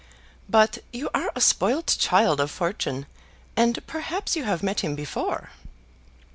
But you are a spoilt child of fortune, and perhaps you have met him before."